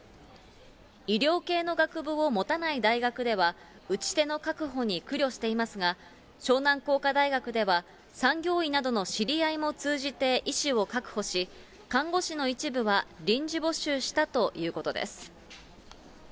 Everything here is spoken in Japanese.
医療系の学部を持たない大学では、打ち手の確保に苦慮していますが、湘南工科大学では、産業医などの知り合いも通じて医師を確保し、看護師の一部は臨時募集したということです。